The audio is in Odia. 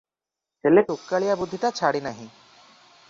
ହେଲେ ଟୋକାଳିଆ ବୁଦ୍ଧିଟା ଛାଡ଼ି ନାହିଁ ।